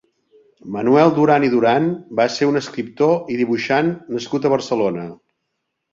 Manuel Duran i Duran va ser un escriptor i dibuixant nascut a Barcelona.